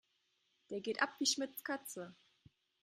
Der geht ab wie Schmitz' Katze.